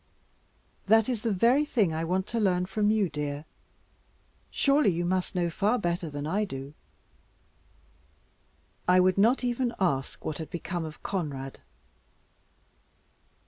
"That is the very thing I want to learn from you, dear. Surely you must know better far than I do." I would not even ask her what had become of Conrad.